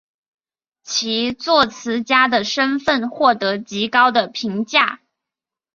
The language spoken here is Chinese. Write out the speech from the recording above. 其作词家的身份获得极高的评价。